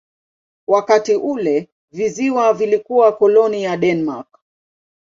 Wakati ule visiwa vilikuwa koloni ya Denmark.